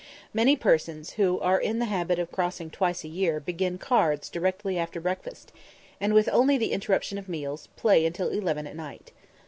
Many persons who are in the habit of crossing twice a year begin cards directly after breakfast, and, with only the interruption of meals, play till eleven at night.